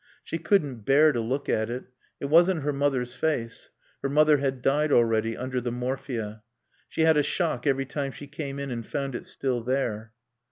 She couldn't bear to look at it; it wasn't her mother's face; her mother had died already under the morphia. She had a shock every time she came in and found it still there.